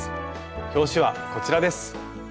表紙はこちらです。